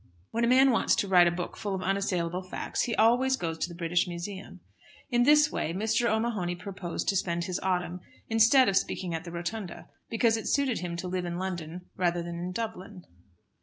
When a man wants to write a book full of unassailable facts, he always goes to the British Museum. In this way Mr. O'Mahony purposed to spend his autumn instead of speaking at the Rotunda, because it suited him to live in London rather than in Dublin.